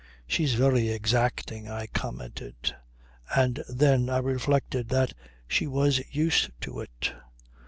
"She's very exacting," I commented. And then I reflected that she was used to it.